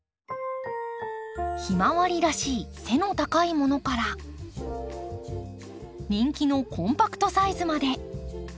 ヒマワリらしい背の高いものから人気のコンパクトサイズまで。